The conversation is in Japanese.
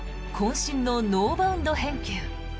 身のノーバウンド返球。